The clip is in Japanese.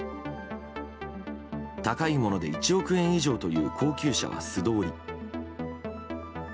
高いもので１億円以上という高級車は素通り。